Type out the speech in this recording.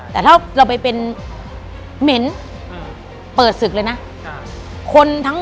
แต่ถ้าเราไปเป็นเหม็นเปิดศึกเลยนะ